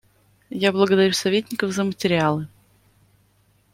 Я благодарю советников за материалы.